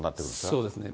そうですね。